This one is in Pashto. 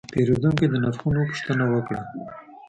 پیرودونکی د نرخونو پوښتنه وکړه.